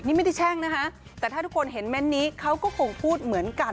นี่ไม่ได้แช่งนะคะแต่ถ้าทุกคนเห็นเมนต์นี้เขาก็คงพูดเหมือนกัน